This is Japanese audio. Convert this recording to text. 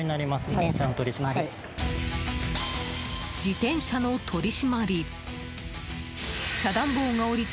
自転車の取り締まり。